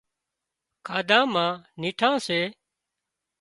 کاڌا مان نيٺان سي